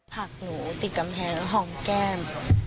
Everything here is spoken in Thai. ผักหนูติดกำแพงหอมแก้ม